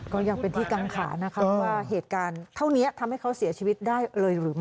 ก็ยังเป็นที่กังขานะคะว่าเหตุการณ์เท่านี้ทำให้เขาเสียชีวิตได้เลยหรือไม่